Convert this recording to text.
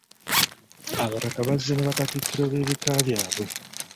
Abataka bazze ne bakatikkiro b'ebika byabwe.